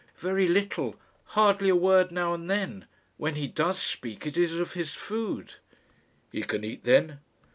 "Very little; hardly a word now and then. When he does speak, it is of his food." "He can eat, then?"